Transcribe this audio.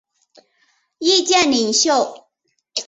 意见领袖。